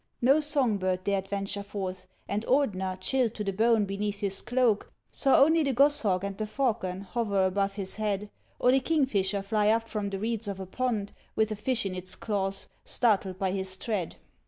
No song bird dared venture forth ; and Ordener, chilled to the bone beneath his cloak, saw only the goshawk and the falcon hover above his head, or the kingfisher fly up from the reeds of a pond with a fish in its claws, startled by his tread.